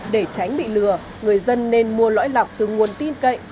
để tránh bị lừa người dân nên mua lõi lọc từ nguồn tin cậy